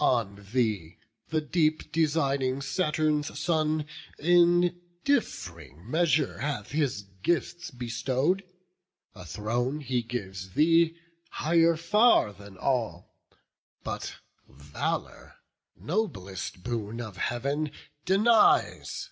On thee the deep designing Saturn's son In diff'ring measure hath his gifts bestow'd: A throne he gives thee, higher far than all; But valour, noblest boon of Heav'n, denies.